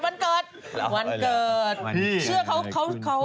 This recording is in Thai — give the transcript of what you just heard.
วันเกิดเชื่อเขา